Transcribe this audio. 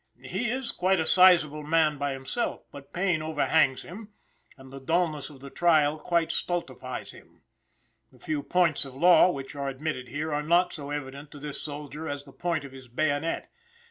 He is quite a sizable man by himself, but Payne overhangs him, and the dullness of the trial quite stultifies him. The few points of law which are admitted here are not so evident to this soldier as the point of his bayonet.